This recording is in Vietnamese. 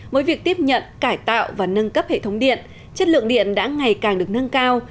với việc tiếp nhận cải tạo và nâng cấp hệ thống điện chất lượng điện đã ngày càng được nâng cao